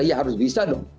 ya harus bisa dong